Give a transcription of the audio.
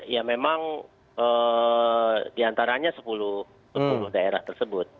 ya memang diantaranya sepuluh daerah tersebut